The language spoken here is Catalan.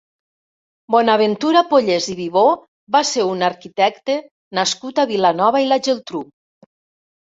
Bonaventura Pollés i Vivó va ser un arquitecte nascut a Vilanova i la Geltrú.